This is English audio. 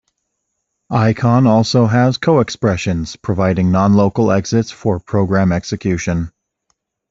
Icon also has co-expressions, providing non-local exits for program execution.